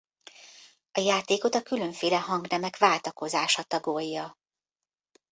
A játékot a különféle hangnemek váltakozása tagolja.